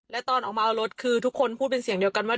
และตอนออกมาเอารถคือทุกคนพูดเป็นเสียงเดียวกันว่า